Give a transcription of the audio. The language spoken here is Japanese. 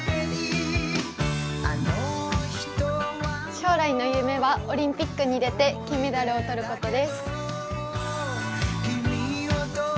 将来の夢はオリンピックに出て金メダルを取ることです。